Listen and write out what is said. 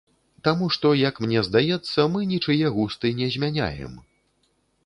Таму што, як мне здаецца, мы нічые густы не змяняем.